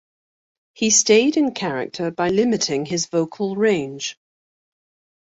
He stayed in character by limiting his vocal range.